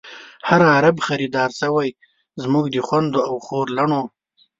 هر عرب خریدار شوۍ، زمونږ د خوندو او خور لڼو